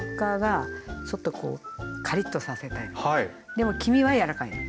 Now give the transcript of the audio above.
でも黄身はやわらかい。